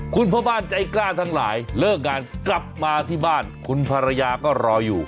คุณพ่อบ้านใจกล้าทั้งหลายเลิกงานกลับมาที่บ้านคุณภรรยาก็รออยู่